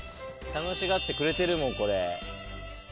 楽しがってくれてるもんこれ。